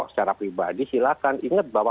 secara pribadi silahkan ingat bahwa